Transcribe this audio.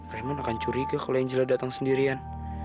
raymond akan curiga kalo angela dateng sendirian